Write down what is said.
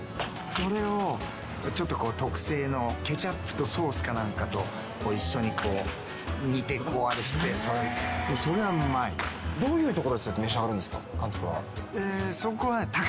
それをちょっとこう、特製のケチャップとソースかなんかと一緒に煮て、こうあれして、どういうところで召し上がるんですか？